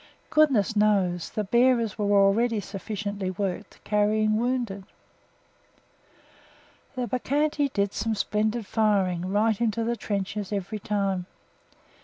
Goodness knows the bearers were already sufficiently worked carrying wounded. The Bacchante did some splendid firing, right into the trenches every time.